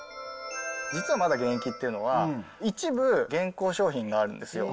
実はまだ現役っていうのは、一部、現行商品があるんですよ。